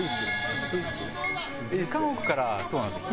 時間置くからそうなんですよ